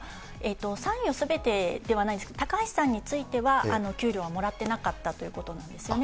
参与すべてではないですけど、高橋さんについては、給料はもらってなかったということなんですよね。